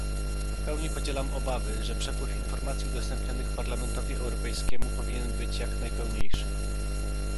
W pełni podzielam obawy, że przepływ informacji udostępnianych Parlamentowi Europejskiemu powinien być jak najpełniejszy